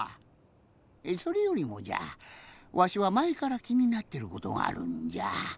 それよりもじゃわしはまえからきになってることがあるんじゃ。